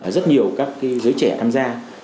rất nhiều các giới trẻ tham gia